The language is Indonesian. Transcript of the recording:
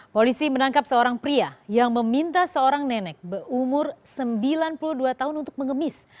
polisi menangkap seorang pria yang meminta seorang nenek berumur sembilan puluh dua tahun untuk mengemis